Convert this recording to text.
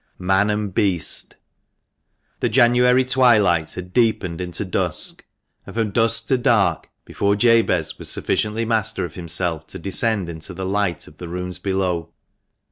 MAN AND BEAST. OHE January twilight had deepened into dusk, and from dusk to dark, before Jabez was sufficiently master of himself to descend into the light of the rooms below.